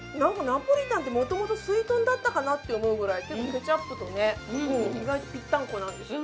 ナポリタンってもともとすいとんだったかなってくらいケチャップと意外とぴったんこなんですよ。